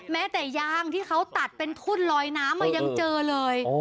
แม้แต่ยางที่เขาตัดเป็นทุ่นลอยน้ำมายังเจอเลย